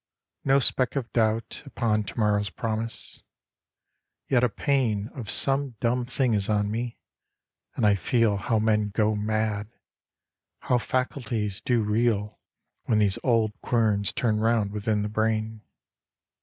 No speck of doubt Upon to morrow's promise. Yet a pain Of some dumb thing is on me, and I feel How men go mad, how faculties do reel When these old querns turn round within the brain.